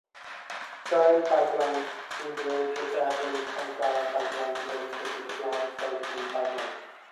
Current pipelines include the Tabriz-Ankara pipeline in addition to the planned Persian Pipeline.